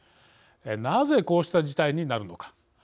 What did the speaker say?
なぜ、こうした事態になるのか。